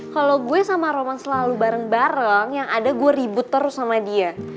kalau gue sama roman selalu bareng bareng yang ada gue ribut terus sama dia